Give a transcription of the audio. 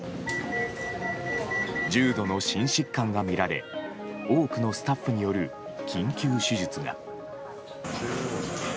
重度の心疾患が見られ多くのスタッフによる緊急手術が。